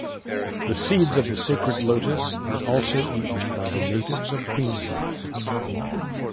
The seeds of the sacred lotus are also eaten by the natives of Queensland.